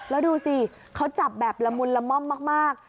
แล้วดูสิเขาจับแบบละมุนละม่อมมาก